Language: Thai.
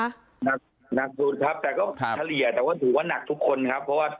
หนักหนักสุดครับแต่ก็เฉลี่ยแต่ว่าถือว่าหนักทุกคนครับเพราะว่า